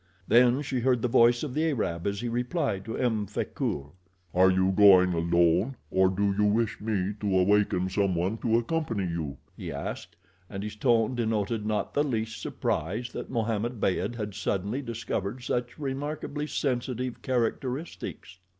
Then she heard the voice of the Arab as he replied to M. Frecoult. "Are you going alone, or do you wish me to awaken someone to accompany you?" he asked, and his tone denoted not the least surprise that Mohammed Beyd had suddenly discovered such remarkably sensitive characteristics.